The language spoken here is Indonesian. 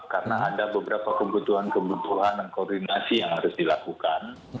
karena ada beberapa kebutuhan kebutuhan dan koordinasi yang harus dilakukan